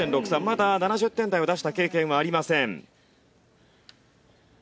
まだ７０点台を出した経験はありません。